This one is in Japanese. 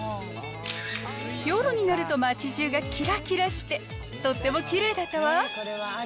夜になると街じゅうがきらきらして、とってもきれいだったわ。